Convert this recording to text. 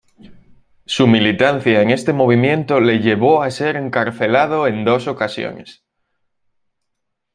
Su militancia en este movimiento le llevó a ser encarcelado en dos ocasiones.